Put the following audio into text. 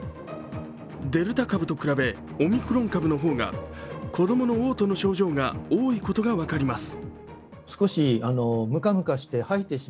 デルタ株と比べオミクロン株の方が子供のおう吐の症状が多いことが分かります。